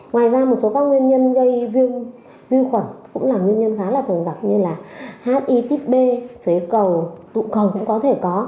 ngoài ra một số các nguyên nhân gây viêm khuẩn cũng là nguyên nhân khá là thường gặp như là hitb phế cầu tụ cầu cũng có thể có